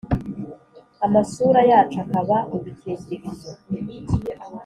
Amasura yacu akaba udukingirizo